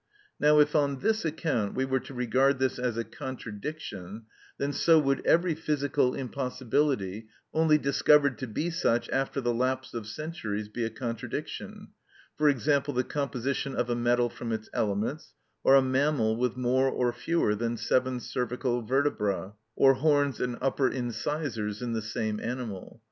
Now if on this account we were to regard this as a contradiction, then so would every physical impossibility, only discovered to be such after the lapse of centuries, be a contradiction; for example, the composition of a metal from its elements, or a mammal with more or fewer than seven cervical vertebra,(14) or horns and upper incisors in the same animal.